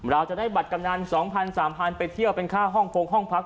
เราจะได้บัตรกำนัน๒๐๐๓๐๐ไปเที่ยวเป็นค่าฮ่องกงห้องพัก